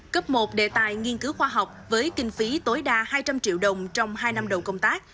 cấp một đề tài nghiên cứu khoa học với kinh phí tối đa hai trăm linh triệu đồng trong hai năm đầu công tác